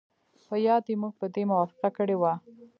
په یاد دي موږ په دې موافقه کړې وه